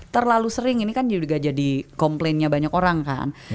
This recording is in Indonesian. terlalu sering ini kan juga jadi komplainnya banyak orang kan